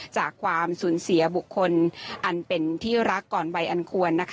ความสูญเสียบุคคลอันเป็นที่รักก่อนวัยอันควร